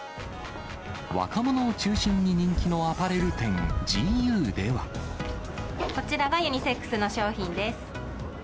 若者を中心に人気のアパレル店、こちらがユニセックスの商品です。